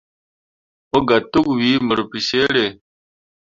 Mobga tokwii mur bicere.